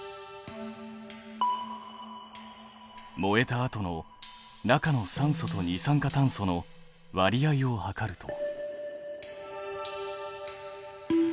燃えたあとの中の酸素と二酸化炭素の割合を測ると。